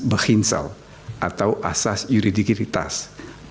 behinsel atau asas yuridikitas berkhususnya